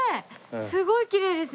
すごいきれいです。